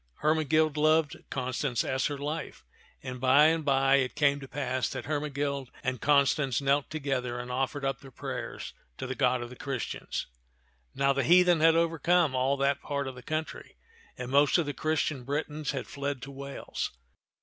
Hermegild loved Constance as her life, and by and by it came to pass that Hermegild and Constance knelt together and offered up their prayers to the God of the Christians. Now the heathen had overcome all that part of the country, and most of the Christian Britons had fled to Wales.